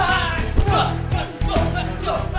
kasih itu cut